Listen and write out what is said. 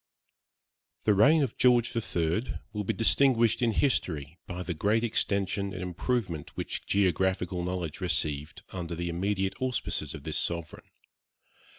The reign of George III will be distinguished in history by the great extension and improvement which geographical knowledge received under the immediate auspices of this sovereign.